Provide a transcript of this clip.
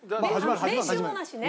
練習もなしね。